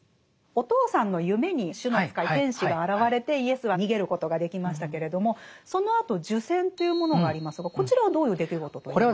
お父さんの夢に主の使い天使が現れてイエスは逃げることができましたけれどもそのあと受洗というものがありますがこちらはどういう出来事と言えますか？